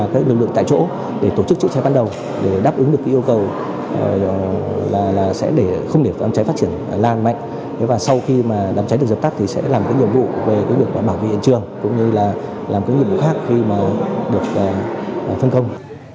cũng như là làm những nhiệm vụ khác khi mà được phân công